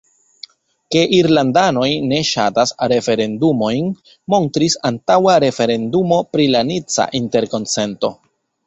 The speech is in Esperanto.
Ke irlandanoj ne ŝatas referendumojn, montris antaŭa referendumo pri la nica interkonsento.